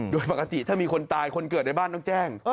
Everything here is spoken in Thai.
โดยปกติถ้ามีคนตายคนเกิดในบ้านต้องแจ้ง